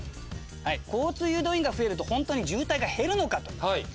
交通誘導員が増えると本当に渋滞が減るのかと。